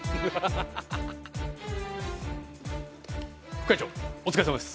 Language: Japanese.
副会長お疲れさまです。